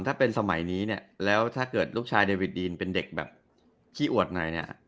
ถ้าเป็นสมัยนี้เนี่ยแล้วถ้าเกิดลูกชายเดวิดดีนเป็นเด็กแบบขี้อวดหน่อยเนี่ย